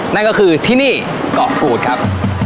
นั่นก็คือที่นี่เกาะกูดครับ